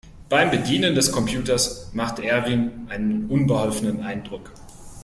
Beim Bedienen des Computers machte Erwin einen unbeholfenen Eindruck.